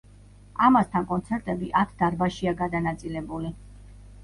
ამასთან კონცერტები ათ დარბაზშია გადანაწილებული.